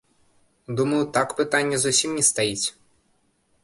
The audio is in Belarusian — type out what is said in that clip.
Думаю, так пытанне зусім не стаіць.